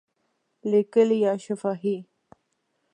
لیکلي یا شفاهی؟